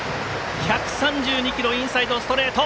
１３２キロインサイドストレート！